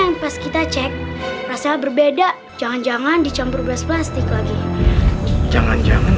yang pas kita cek rasa berbeda jangan jangan dicampur gas plastik lagi jangan jangan